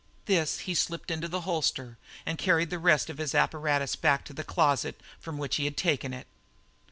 This he slipped into the holster and carried the rest of his apparatus back to the closet from which he had taken it.